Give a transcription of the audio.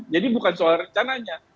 jadi bukan soal rencananya